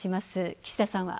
岸田さんは？